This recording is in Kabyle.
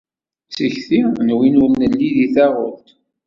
D tikti n win ur nelli deg taɣult.